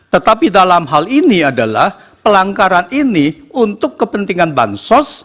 tetapi dalam hal ini adalah pelanggaran ini untuk kepentingan bansos